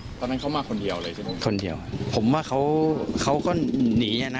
ตอนนั้นเขามาคนเดียวเลยใช่ไหมคนเดียวผมว่าเขาเขาก็หนีอ่ะนะ